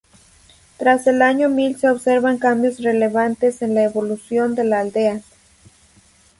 Tras el año mil se observan cambios relevantes en la evolución de la aldea.